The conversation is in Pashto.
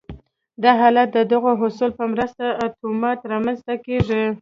دا حالت د دغو اصولو په مرسته اتومات رامنځته کېږي